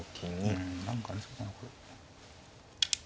うん何かありそうだなこれ。